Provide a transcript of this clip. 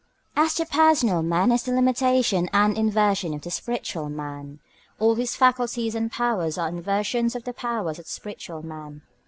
As the personal man is the limitation and inversion of the spiritual man, all his faculties and powers are inversions of the powers of the spiritual man.